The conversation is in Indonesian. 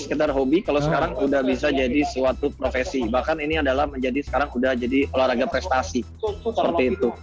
sekitar hobi kalau sekarang udah bisa jadi suatu profesi bahkan ini adalah menjadi sekarang sudah jadi olahraga prestasi seperti itu